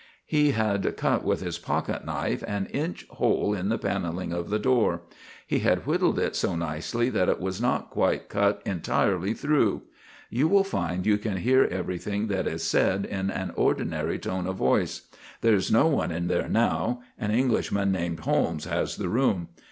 He had cut with his pocket knife an inch hole in the panelling of the door. He had whittled it so nicely that it was not quite cut entirely through. "You will find you can hear everything that is said in an ordinary tone of voice. There's no one in there now. An Englishman named Holmes has the room.